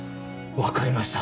分かりました。